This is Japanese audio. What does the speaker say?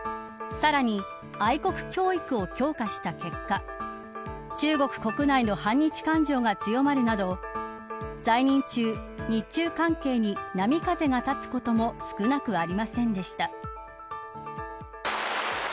さらに、愛国教育を強化した結果中国国内の反日感情が強まるなど在任中、日中関係に波風が立つことも少なくありませんでした。